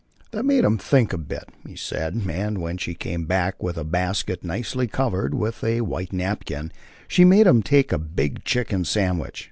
That made him think a bit, he said, and when she came back with a basket nicely covered with a white napkin, she made him take a big chicken sandwich.